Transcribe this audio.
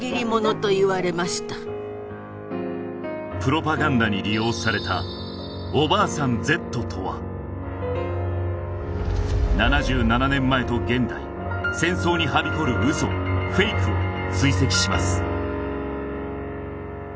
プロパガンダに利用された７７年前と現代戦争にはびこる嘘フェイクを追跡します